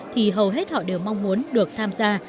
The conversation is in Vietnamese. thì hầu hết họ đều mong muốn được tham gia